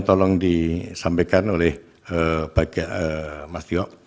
tolong disampaikan oleh baga mas diok